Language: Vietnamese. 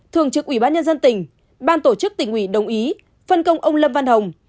thường trực ủy ban nhân dân tỉnh ban tổ chức tỉnh ủy đồng ý phân công ông lâm văn hồng